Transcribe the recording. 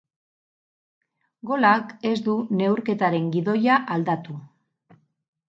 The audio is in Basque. Golak ez du neurketaren gidoia aldatu.